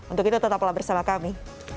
untuk itu tetaplah bersama kami